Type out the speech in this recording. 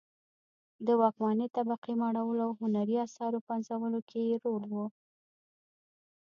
د واکمنې طبقې مړولو او هنري اثارو پنځولو کې یې رول و